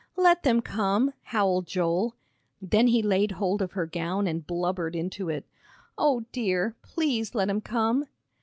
"Let them come," howled Joel. Then he laid hold of her gown and blubbered into it. "O dear! Please let 'em come!"